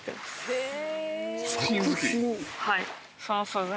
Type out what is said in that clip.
へえ。